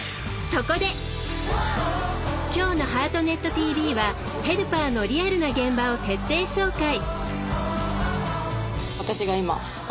今日の「ハートネットＴＶ」はヘルパーのリアルな現場を徹底紹介。